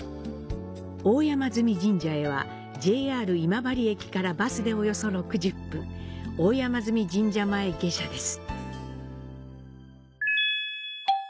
大山祇神社へは、ＪＲ今治駅からバスで約６０分、大山祇神社前下車です。